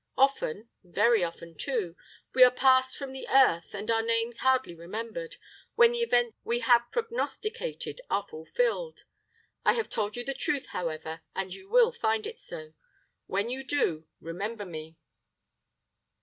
Often, very often too, we are passed from the earth, and our names hardly remembered, when the events we have prognosticated are fulfilled. I have told you the truth, however, and you will find it so. When you do, remember me."